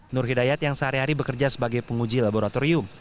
nur hidayat yang sehari hari bekerja sebagai penguji laboratorium